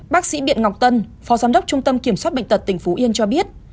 bác sĩ biện ngọc tân phó giám đốc trung tâm kiểm soát bệnh tật tỉnh phú yên cho biết